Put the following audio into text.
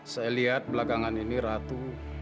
saya lihat belakangan ini ratu